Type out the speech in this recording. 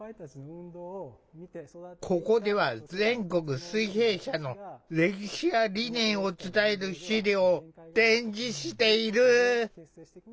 ここでは全国水平社の歴史や理念を伝える資料を展示している。